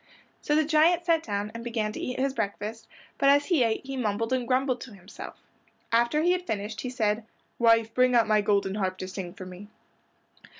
So the giant sat down and began to eat his breakfast, but as he ate he mumbled and grumbled to himself. After he had finished he said, "Wife, bring out my golden harp to sing for me."